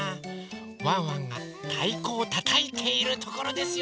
ワンワンがたいこをたたいているところですよ。